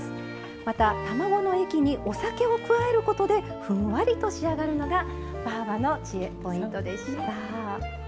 また卵の液にお酒を加えることでふんわりと仕上がるのがばぁばの知恵のポイントでした。